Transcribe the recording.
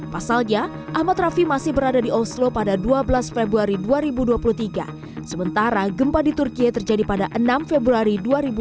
pasalnya ahmad rafi masih berada di oslo pada dua belas februari dua ribu dua puluh tiga sementara gempa di turki terjadi pada enam februari dua ribu dua puluh